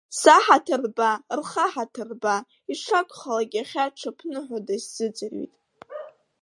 Саҳаҭыр рба, рхы аҳаҭыр рба, ишакәхалак иахьа ҽыԥныҳәада исзыӡырҩит.